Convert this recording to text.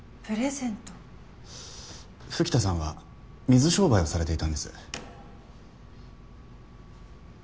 吹田さんは水商売をされていたんです。